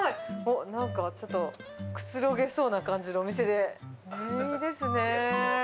なんかちょっと、くつろげそうな感じのお店で、いいですね。